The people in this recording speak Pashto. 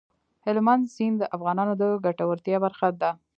هلمند سیند د افغانانو د ګټورتیا برخه ده.